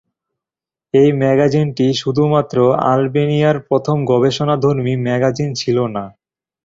এই ম্যাগাজিনটি শুধুমাত্র আলবেনিয়ার প্রথম গবেষণাধর্মী ম্যাগাজিন ছিলো না।